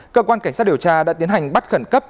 cơ quan cảnh sát điều tra đã tiến hành bắt khẩn cấp